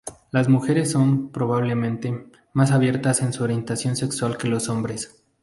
Las mujeres son, probablemente, más abiertas en su orientación sexual que los hombres.